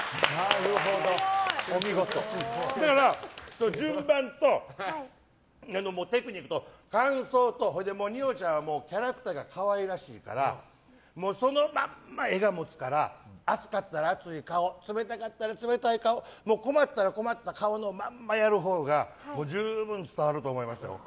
だから、順番とテクニックと感想と二葉ちゃんはキャラクターが可愛らしいからそのまんま画がもつから熱かったら熱い顔冷たかったら冷たい顔困ったら困った顔のまんまやるほうが十分伝わると思いますよ。